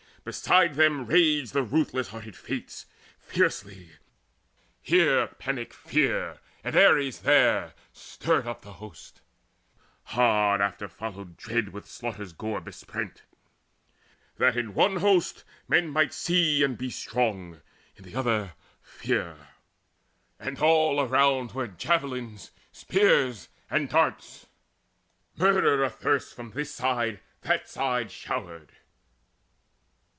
Beside them raged the ruthless hearted Fates Fiercely: here Panic fear and Ares there Stirred up the hosts: hard after followed Dread With slaughter's gore besprent, that in one host Might men see, and be strong, in the other fear; And all around were javelins, spears, and darts Murder athirst from this side, that side, showered.